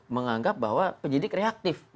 menganggap bahwa penyidik reaktif